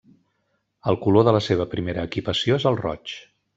El color de la seva primera equipació és el roig.